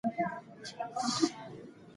آیا د کلي کلا ډېر لرې ده؟